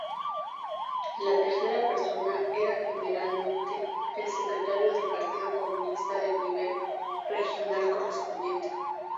La tercera persona era generalmente el secretario del Partido Comunista del nivel regional correspondiente.